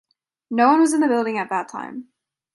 No one was in the building at that time.